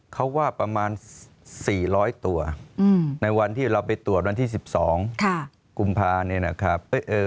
เขาว่าประมาณ๔๐๐ตัวในวันที่เราไปตรวจวันที่๑๒กุมภาเนี่ยนะครับ